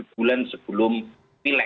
tujuh bulan sebelum pilek